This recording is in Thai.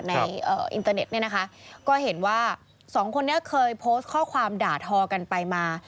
ในอินเตอร์เน็ตเนี่ยนะคะก็เห็นว่าสองคนนี้เคยโพสต์ข้อความด่าทอกันไปมา